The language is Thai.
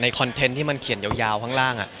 คอนเทนต์ที่มันเขียนยาวข้างล่าง